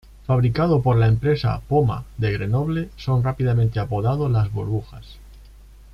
Fabricado por la empresa "Poma" de Grenoble, son rápidamente apodado las burbujas.